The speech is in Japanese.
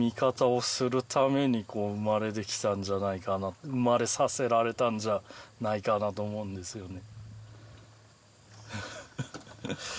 多分生まれさせられたんじゃないかなと思うんですよね